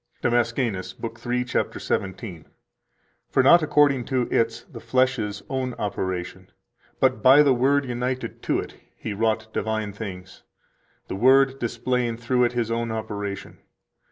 137 DAMASCENUS, (lib. 3, cap. 17): "For not according to its [the flesh's] own operation, but by the Word united to it, He wrought divine things, the Word displaying through it His own operation.